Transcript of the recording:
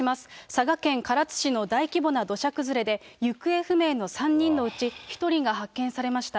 佐賀県唐津市の大規模な土砂崩れで、行方不明の３人のうち１人が発見されました。